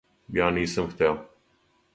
Ја нисам хтео.